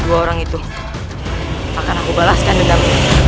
dua orang itu akan aku balaskan dengan